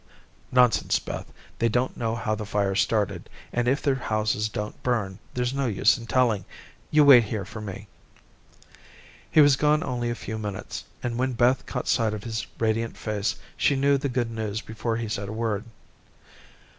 "Nonsense, Beth; they don't know how the fire started, and if their houses don't burn, there's no use in telling. You wait here for me." He was gone only a few minutes, and, when Beth caught sight of his radiant face, she knew the good news before he said a word.